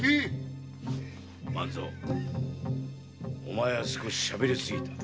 万蔵お前は少ししゃべりすぎた。